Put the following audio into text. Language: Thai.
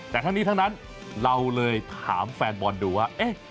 แต่ทั้งนี้ทั้งนั้นเราเลยถามแฟนบอลดูว่า